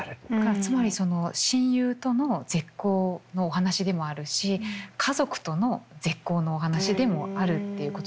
つまりその親友との絶交のお話でもあるし家族との絶交のお話でもあるっていうことですよね。